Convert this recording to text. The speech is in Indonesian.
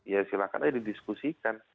ya silahkan ya didiskusikan